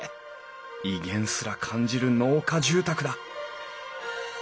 威厳すら感じる農家住宅だ